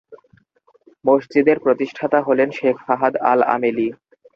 মসজিদের প্রতিষ্ঠাতা হলেন শেখ ফাহাদ আল-আমেলি।